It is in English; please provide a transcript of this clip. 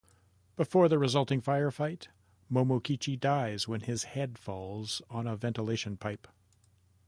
Before the resulting firefight, Momokichi dies when his head falls on a ventilation pipe.